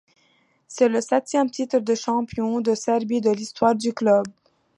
C'est le septième titre de champion de Serbie de l'histoire du club.